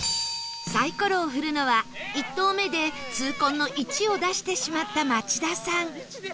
サイコロを振るのは１投目で痛恨の「１」を出してしまった町田さん